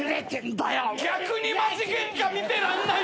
逆にマジゲンカ見てらんない。